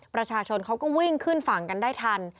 ประชาชนเขาก็วิ่งขึ้นฝั่งกันได้ทัน